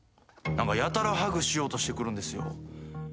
何かやたらハグしようとしてくるんですよ。